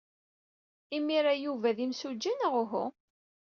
Imir-a, Yuba d imsujji neɣ uhu?